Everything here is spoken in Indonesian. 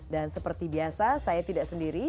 seperti biasa saya tidak sendiri